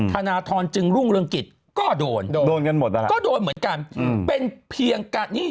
ทนทรจึงรุ่งเริงกิจก็โดนโดนเหมือนกัน